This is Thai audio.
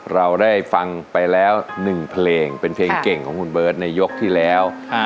เราได้ฟังไปแล้ว๑เพลงเป็นเพลงเก่งของคุณเบิร์ตในยกที่แล้ว